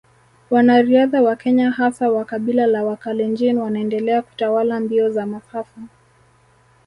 Wanariadha wa Kenya hasa wa kabila la Wakalenjin wanaendelea kutawala mbio za masafa